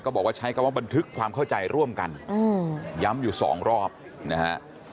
บอกว่าใช้คำว่าบันทึกความเข้าใจร่วมกันย้ำอยู่สองรอบนะฮะ